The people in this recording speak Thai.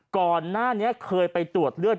ก่อนหน้านี้เคยไปตรวจเลือด